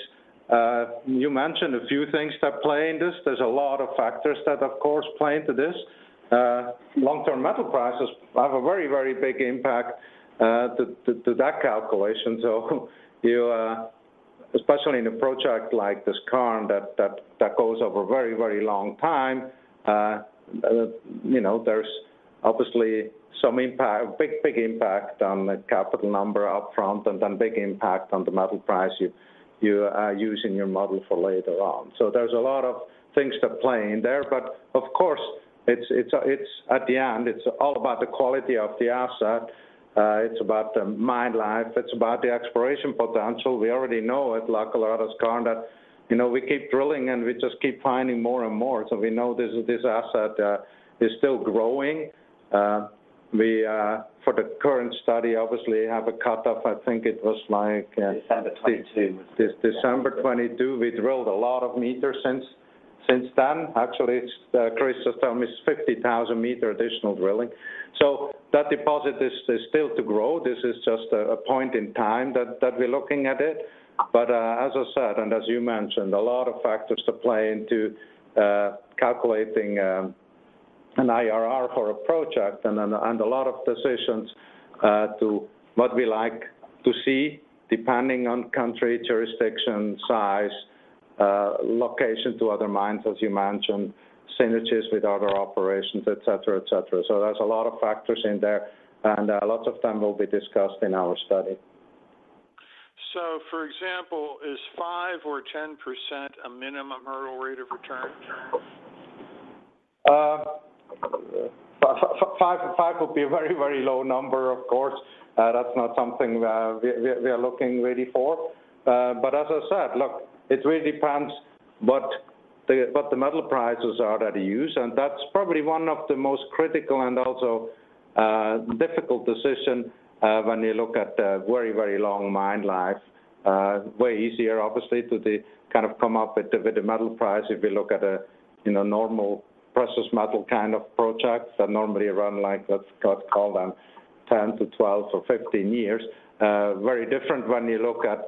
you mentioned a few things that play into this. There's a lot of factors that, of course, play into this. Long-term metal prices have a very, very big impact to that calculation. So you, especially in a project like the Skarn, that goes over a very, very long time, you know, there's obviously some impact, big, big impact on the capital number upfront, and then big impact on the metal price you are using your model for later on. So there's a lot of things that play in there, but of course, it's, it's, it's at the end, it's all about the quality of the asset. It's about the mine life. It's about the exploration potential. We already know at La Colorada Skarn that, you know, we keep drilling, and we just keep finding more and more, so we know this asset is still growing. We, for the current study, obviously have a cut-off. I think it was like, December '22. December 2022. We drilled a lot of meters since then. Actually, it's Chris, just tell me, it's 50,000 meter additional drilling. So that deposit is still to grow. This is just a point in time that we're looking at it. But as I said, and as you mentioned, a lot of factors to play into calculating an IRR for a project, and a lot of decisions to what we like to see, depending on country, jurisdiction, size, location to other mines, as you mentioned, synergies with other operations, et cetera, et cetera. So there's a lot of factors in there, and a lot of them will be discussed in our study. For example, is 5% or 10% a minimum hurdle rate of return? Five, five would be a very, very low number, of course. That's not something we are looking really for. But as I said, look, it really depends what the metal prices are that we use, and that's probably one of the most critical and also difficult decision when you look at the very, very long mine life. Way easier, obviously, to kind of come up with the metal price if we look at a, you know, normal precious metal kind of projects that normally run like, let's call them 10 to 12 to 15 years. Very different when you look at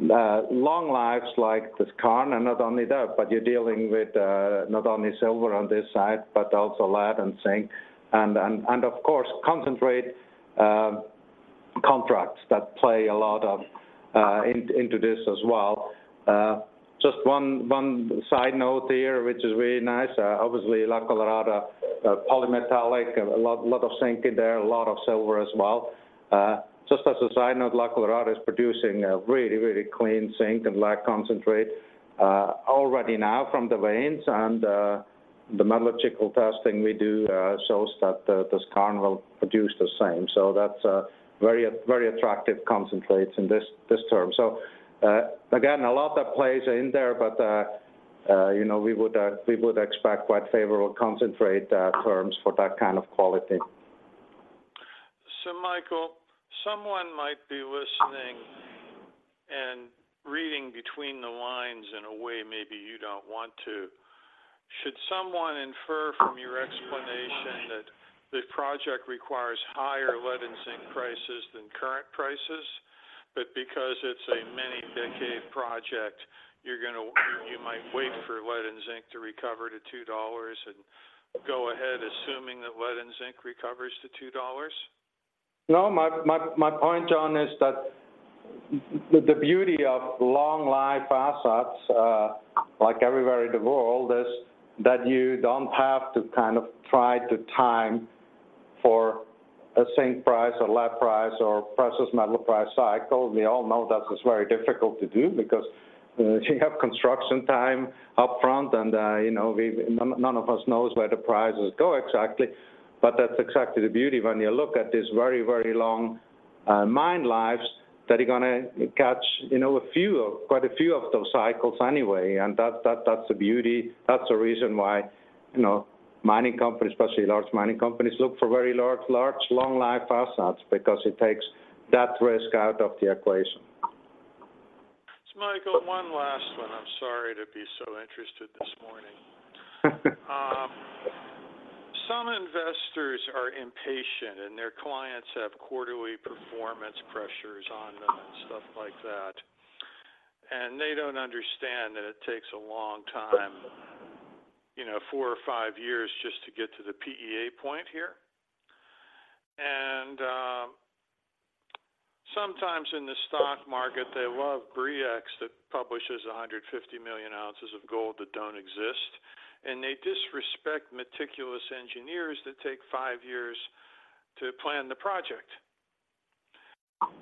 long lives like the skarn. Not only that, but you're dealing with not only silver on this side, but also lead and zinc, and of course, concentrate contracts that play a lot into this as well. Just one side note there, which is really nice. Obviously, La Colorada polymetallic, a lot of zinc in there, a lot of silver as well. Just as a side note, La Colorada is producing a really, really clean zinc and lead concentrate already now from the veins, and the metallurgical testing we do shows that the skarn will produce the same. So that's a very, very attractive concentrates in this term. So, again, a lot that plays in there, but, you know, we would, we would expect quite favorable concentrate terms for that kind of quality. So Michael, someone might be listening and reading between the lines in a way maybe you don't want to. Should someone infer from your explanation that the project requires higher lead and zinc prices than current prices, but because it's a mine-of-the-decade project, you're gonna-- you might wait for lead and zinc to recover to $2 and go ahead assuming that lead and zinc recovers to $2? No, my point, John, is that the beauty of long life assets, like everywhere in the world, is that you don't have to kind of try to time for a zinc price or lead price or precious metal price cycle. We all know that is very difficult to do because you have construction time upfront and, you know, none of us knows where the prices go exactly. But that's exactly the beauty when you look at these very, very long mine lives, that you're gonna catch, you know, a few of, quite a few of those cycles anyway. And that's the beauty, that's the reason why, you know, mining companies, especially large mining companies, look for very large, large, long life assets because it takes that risk out of the equation. So Michael, one last one. I'm sorry to be so interested this morning. Some investors are impatient, and their clients have quarterly performance pressures on them and stuff like that, and they don't understand that it takes a long time, you know, four or five years just to get to the PEA point here. And, sometimes in the stock market, they love Bre-X that publishes 150 million ounces of gold that don't exist, and they disrespect meticulous engineers that take five years to plan the project....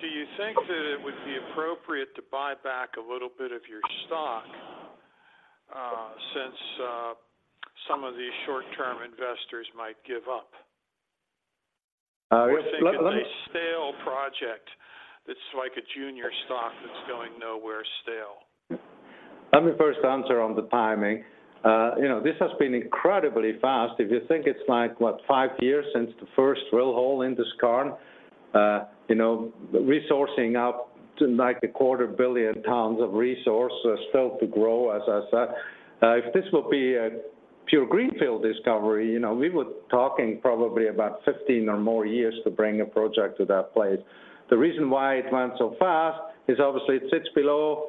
Do you think that it would be appropriate to buy back a little bit of your stock, since some of these short-term investors might give up? Let me- We're thinking a stale project. It's like a junior stock that's going nowhere stale. Let me first answer on the timing. You know, this has been incredibly fast. If you think it's like, what, 5 years since the first drill hole in this skarn, you know, resourcing up to like 250 million tons of resource still to grow, as I said. If this will be a pure greenfield discovery, you know, we were talking probably about 15 or more years to bring a project to that place. The reason why it went so fast is obviously it sits below,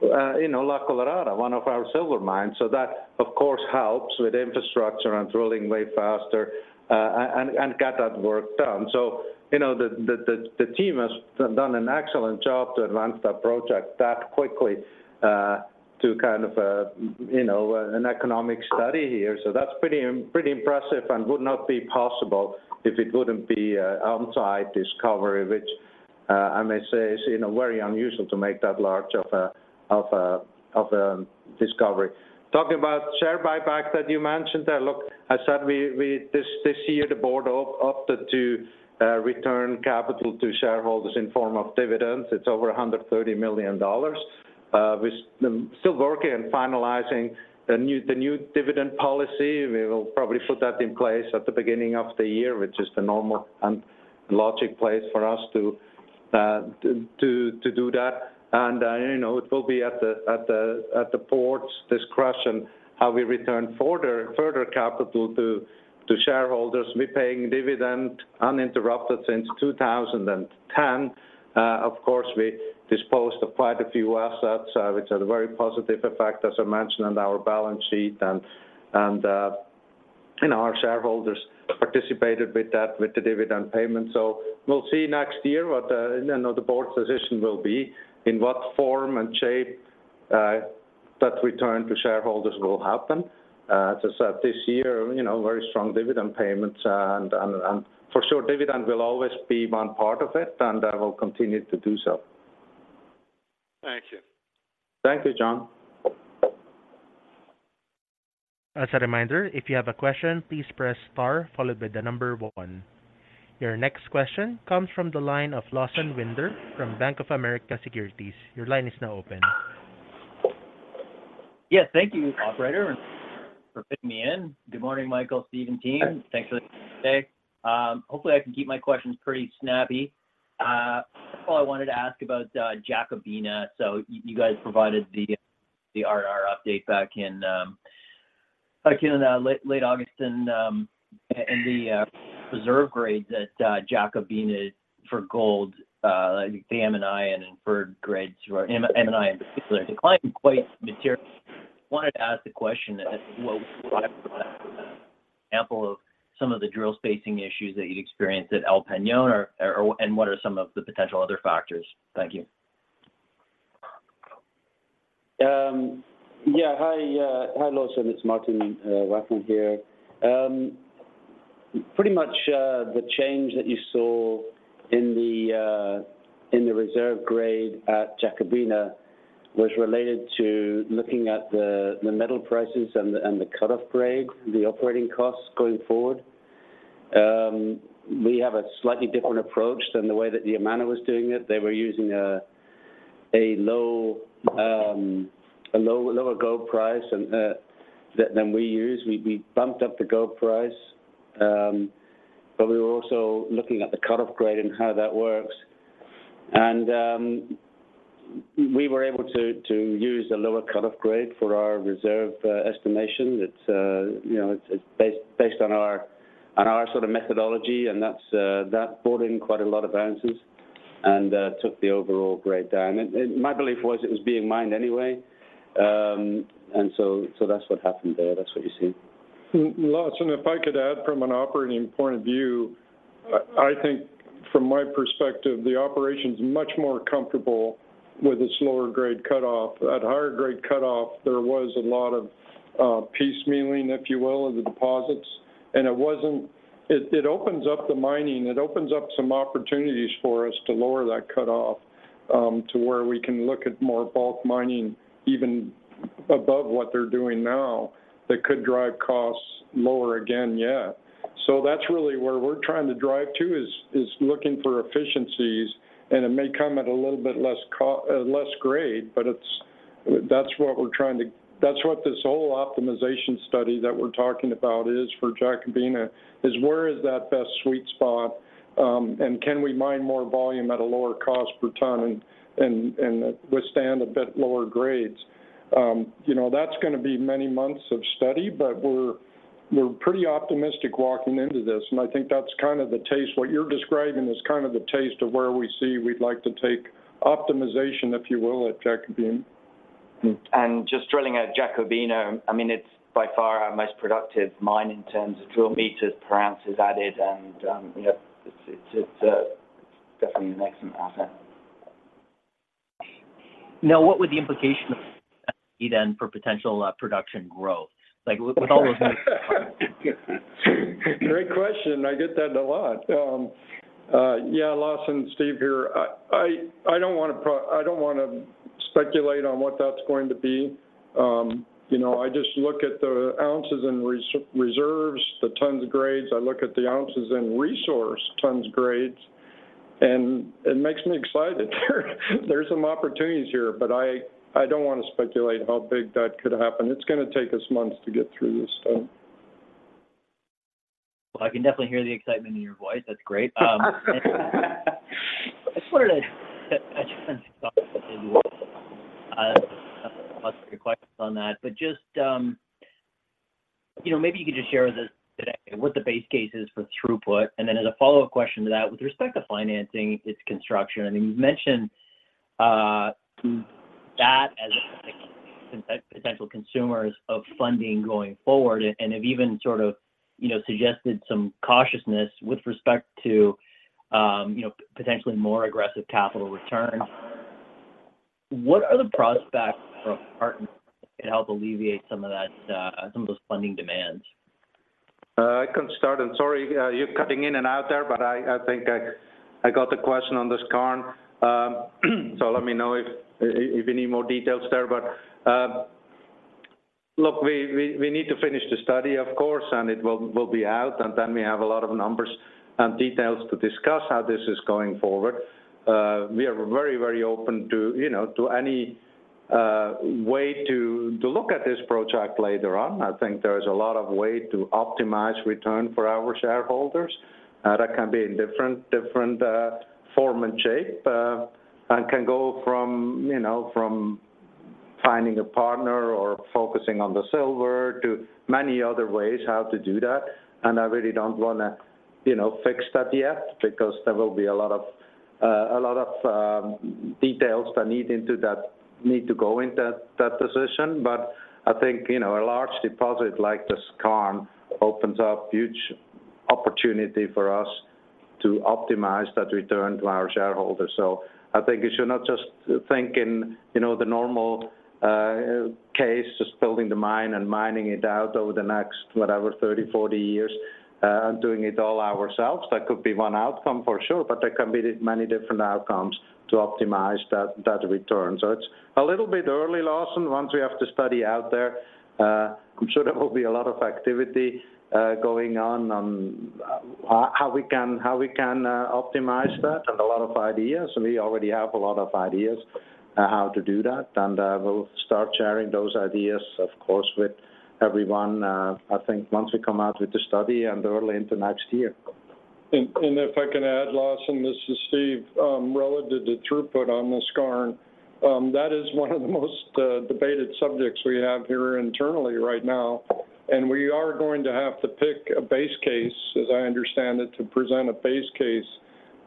you know, La Colorada, one of our silver mines. So that, of course, helps with infrastructure and drilling way faster, and get that work done. So, you know, the team has done an excellent job to advance that project that quickly, to kind of, you know, an economic study here. So that's pretty impressive and would not be possible if it wouldn't be an onsite discovery, which I may say is, you know, very unusual to make that large of a discovery. Talking about share buyback that you mentioned there. Look, I said we this year the board opted to return capital to shareholders in form of dividends. It's over $130 million. We're still working on finalizing the new dividend policy. We will probably put that in place at the beginning of the year, which is the normal and logic place for us to do that. And you know, it will be at the board's discretion how we return further capital to shareholders. We're paying dividend uninterrupted since 2010. Of course, we disposed of quite a few assets, which had a very positive effect, as I mentioned, on our balance sheet and, you know, our shareholders participated with that, with the dividend payment. So we'll see next year what the, you know, the board's position will be, in what form and shape, that return to shareholders will happen. As I said, this year, you know, very strong dividend payments. And for sure, dividend will always be one part of it, and that will continue to do so. Thank you. Thank you, John. As a reminder, if you have a question, please press Star followed by the number one. Your next question comes from the line of Lawson Winder from Bank of America Securities. Your line is now open. Yes, thank you, operator, for fitting me in. Good morning, Michael, Steve, and team. Thanks for the day. Hopefully, I can keep my questions pretty snappy. All I wanted to ask about Jacobina, so you guys provided the R&R update back in late August and the reserve grade that Jacobina for gold, the M&I and inferred grades, or M&I in particular, declined quite materially. I wanted to ask the question, well, example of some of the drill spacing issues that you experienced at El Peñón or, or... And what are some of the potential other factors? Thank you. Yeah. Hi, hi, Lawson. It's Martin Wafforn here. Pretty much, the change that you saw in the reserve grade at Jacobina was related to looking at the metal prices and the cut-off grade, the operating costs going forward. We have a slightly different approach than the way that the Yamana was doing it. They were using a lower gold price than we use. We bumped up the gold price, but we were also looking at the cut-off grade and how that works. And we were able to use a lower cut-off grade for our reserve estimation. It's, you know, it's based on our sort of methodology, and that's what brought in quite a lot of balances and took the overall grade down. And my belief was it was being mined anyway. And so, that's what happened there. That's what you see. Lawson, if I could add from an operating point of view, I think from my perspective, the operation's much more comfortable with this lower grade cut-off. At higher grade cut-off, there was a lot of piecemealing, if you will, of the deposits, and it opens up the mining. It opens up some opportunities for us to lower that cut-off to where we can look at more bulk mining, even above what they're doing now. That could drive costs lower again yet. So that's really where we're trying to drive to, is looking for efficiencies, and it may come at a little bit less cost, less grade, but it's, that's what we're trying to, that's what this whole optimization study that we're talking about is for Jacobina, is where is that best sweet spot, and can we mine more volume at a lower cost per ton and withstand a bit lower grades? You know, that's gonna be many months of study, but we're pretty optimistic walking into this, and I think that's kind of the taste. What you're describing is kind of the taste of where we see we'd like to take optimization, if you will, at Jacobina. Just drilling at Jacobina, I mean, it's by far our most productive mine in terms of drill meters per ounce is added, and, you know, it's definitely an excellent asset.... Now, what would the implication of then for potential production growth? Like, with all those- Great question. I get that a lot. Yeah, Lawson, Steve here. I don't wanna speculate on what that's going to be. You know, I just look at the ounces and reserves, the tons and grades. I look at the ounces and resource tons and grades, and it makes me excited. There's some opportunities here, but I don't wanna speculate how big that could happen. It's gonna take us months to get through this thing. Well, I can definitely hear the excitement in your voice. That's great. You know, maybe you could just share with us today what the base case is for throughput. And then as a follow-up question to that, with respect to financing its construction, I mean, you've mentioned that as potential consumers of funding going forward and have even sort of, you know, suggested some cautiousness with respect to, you know, potentially more aggressive capital returns. What are the prospects for a partner to help alleviate some of that, some of those funding demands? I can start, and sorry, you're cutting in and out there, but I think I got the question on the skarn. So let me know if you need more details there. But look, we need to finish the study, of course, and it will be out, and then we have a lot of numbers and details to discuss how this is going forward. We are very, very open to, you know, to any way to look at this project later on. I think there is a lot of way to optimize return for our shareholders that can be in different form and shape. And can go from, you know, from finding a partner or focusing on the silver to many other ways how to do that. I really don't wanna, you know, fix that yet because there will be a lot of, a lot of, details that need into that... need to go into that, that decision. But I think, you know, a large deposit like the Skarn opens up huge opportunity for us to optimize that return to our shareholders. So I think you should not just think in, you know, the normal, case, just building the mine and mining it out over the next, whatever, 30, 40 years, doing it all ourselves. That could be one outcome for sure, but there can be many different outcomes to optimize that, that return. So it's a little bit early, Lawson. Once we have the study out there, I'm sure there will be a lot of activity going on how we can optimize that, and a lot of ideas. We already have a lot of ideas on how to do that, and we'll start sharing those ideas, of course, with everyone, I think once we come out with the study and early into next year. If I can add, Lawson, this is Steve. Relative to throughput on the skarn, that is one of the most debated subjects we have here internally right now, and we are going to have to pick a base case, as I understand it, to present a base case.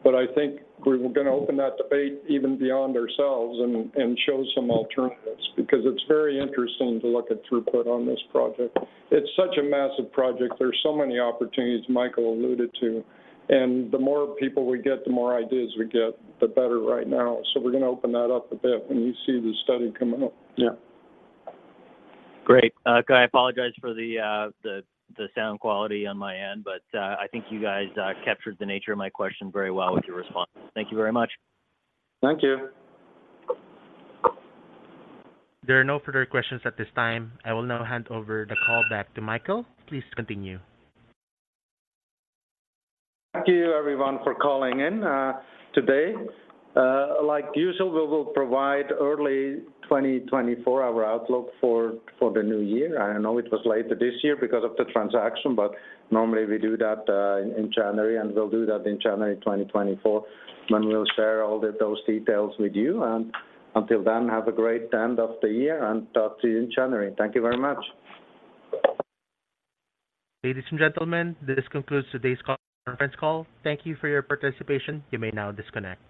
But I think we're gonna open that debate even beyond ourselves and show some alternatives, because it's very interesting to look at throughput on this project. It's such a massive project. There's so many opportunities Michael alluded to, and the more people we get, the more ideas we get, the better right now. So we're gonna open that up a bit when you see the study coming up. Yeah. Great. I apologize for the sound quality on my end, but I think you guys captured the nature of my question very well with your response. Thank you very much. Thank you. There are no further questions at this time. I will now hand over the call back to Michael. Please continue. Thank you, everyone, for calling in today. Like usual, we will provide early 2024 our outlook for the new year. I know it was later this year because of the transaction, but normally we do that in January, and we'll do that in January 2024, when we'll share all those details with you. And until then, have a great end of the year, and talk to you in January. Thank you very much. Ladies and gentlemen, this concludes today's conference call. Thank you for your participation. You may now disconnect.